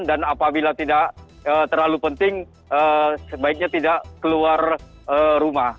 dan apabila tidak terlalu penting sebaiknya tidak keluar rumah